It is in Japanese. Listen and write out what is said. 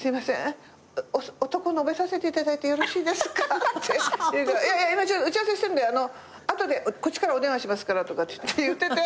「おとこ延べさせていただいてよろしいですか？」って言うから「今打ち合わせしてるんで後でこっちからお電話しますから」とか言ってて。